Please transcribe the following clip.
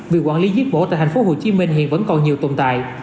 việc quản lý giết mổ tại tp hcm hiện vẫn còn nhiều tồn tại